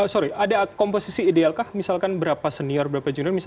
sorry ada komposisi ideal kah misalkan berapa senior berapa junior misalkan